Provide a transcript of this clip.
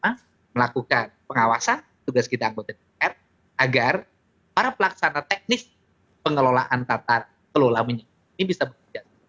kita melakukan pengawasan tugas kita anggota dpr agar para pelaksana teknis pengelolaan tata kelola minyak ini bisa bekerja